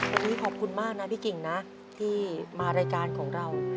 วันนี้ขอบคุณมากนะพี่กิ่งนะที่มารายการของเรา